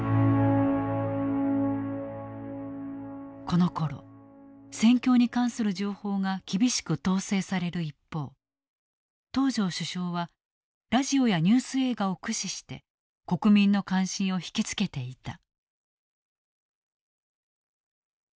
このころ戦況に関する情報が厳しく統制される一方東條首相はラジオやニュース映画を駆使して国民の関心を引き付けていた。